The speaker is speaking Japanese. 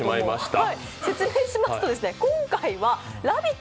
説明しますと、今回は「ラヴィット！」